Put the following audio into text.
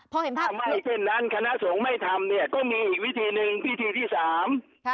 พอเห็นภาพไม่เช่นนั้นคณะสงฆ์ไม่ทำเนี่ยก็มีอีกวิธีหนึ่งวิธีที่สามค่ะ